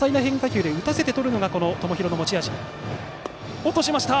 落としました！